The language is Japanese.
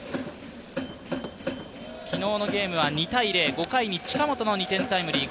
昨日のゲームは２−０５回に近本のタイムリー。